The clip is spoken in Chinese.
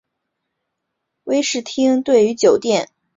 威士汀对于酒店地点的选择偏好集中在城市中的中心商业区。